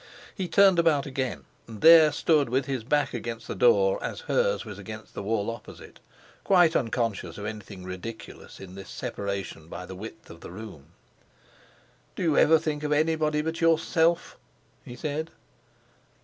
He turned about again, and there stood, with his back against the door, as hers was against the wall opposite, quite unconscious of anything ridiculous in this separation by the whole width of the room. "Do you ever think of anybody but yourself?" he said.